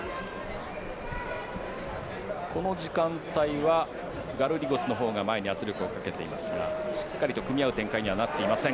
この時間帯はガルリゴスのほうが前に圧力をかけていますがしっかりと組み合う展開にはなっていません。